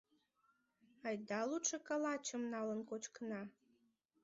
— Айда, лучо калачым налын кочкына.